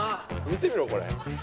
見てみろこれ。